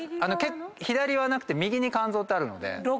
左はなくて右に肝臓あるので。